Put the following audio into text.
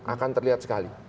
akan terlihat sekali